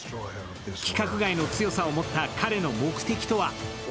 規格外の強さを持った彼の目的とは。